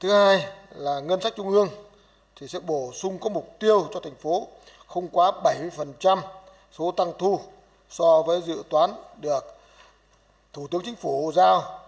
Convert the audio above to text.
thứ hai là ngân sách trung ương sẽ bổ sung có mục tiêu cho thành phố không quá bảy mươi số tăng thu so với dự toán được thủ tướng chính phủ giao